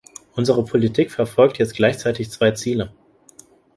Unsere Politik verfolgt jetzt gleichzeitig zwei Ziele.